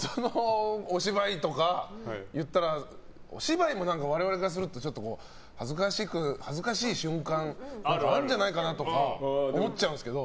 でも、お芝居も我々からすると恥ずかしい瞬間あるんじゃないかなとか思っちゃうんですけど。